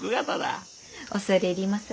恐れ入ります。